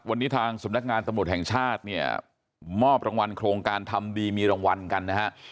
วันนี้ทางสำนักงานตำรวจแห่งชาติเนี่ยมอบรางวัลโครงการทำดีมีรางวัลกันนะฮะ